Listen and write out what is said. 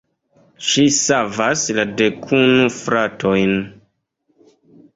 Ŝi savas la dekunu fratojn.